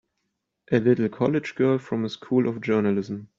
A little college girl from a School of Journalism!